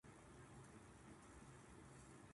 お父さん、もう無理だよ